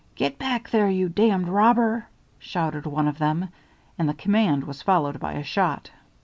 "Get back there, you damned robber!" shouted one of them, and the command was followed by a shot.